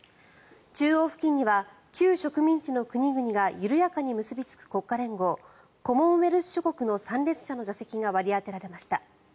中央付近には旧植民地の国々が緩やかに結びつく国家連合コモンウェルス諸国の参列者の座席が割り当てられました。